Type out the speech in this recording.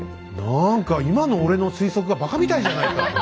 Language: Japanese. なんか今の俺の推測がばかみたいじゃないか。